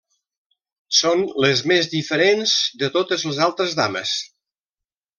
Són les més diferents de totes les altres dames.